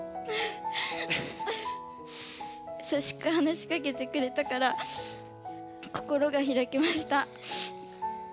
やさしく話しかけてくれたから心がひらきました。